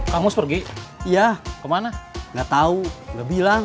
kamu pergi iya kemana enggak tahu ngebilang